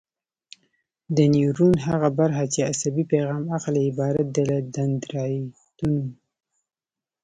د نیورون هغه برخه چې عصبي پیغام اخلي عبارت دی له دندرایتونو.